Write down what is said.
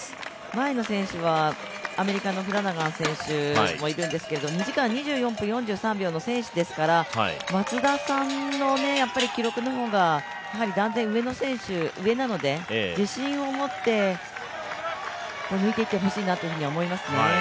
前の選手はアメリカのフラナガン選手もいるんですけど２時間２４分４３秒の選手ですから松田さんの記録の方が、断然上なので、自信を持ってほしいなと思いますね。